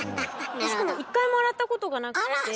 しかも一回も洗ったことがなくて。